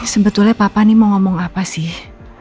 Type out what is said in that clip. sebetulnya papa ini mau ngomong apa sih